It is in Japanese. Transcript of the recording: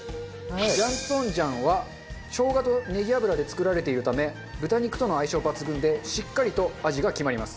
ジャンツォンジャンは生姜とネギ油で作られているため豚肉との相性抜群でしっかりと味が決まります。